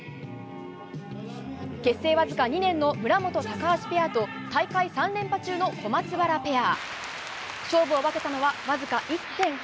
結成わずか２年の村元、高橋ペアと大会３連覇中の小松原ペア。